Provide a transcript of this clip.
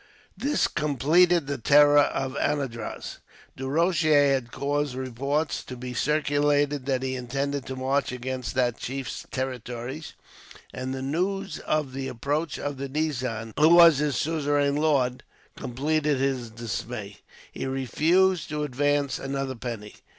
This completed the terror of Anandraz. Du Rocher had caused reports to be circulated that he intended to march against that chief's territories, and the news of the approach of the nizam, who was his suzerain lord, completed his dismay. He refused to advance another penny.